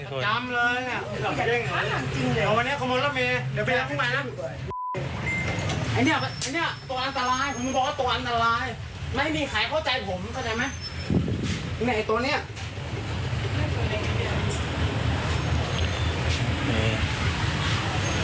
ดูเหตุข้างล่างต่อนะครับ